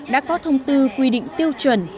đã có thông tư quy định tiêu chuẩn